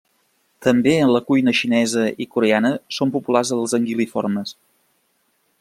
També en la cuina xinesa i coreana són populars els anguil·liformes.